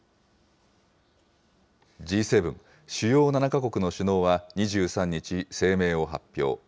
Ｇ７・主要７か国の首脳は２３日、声明を発表。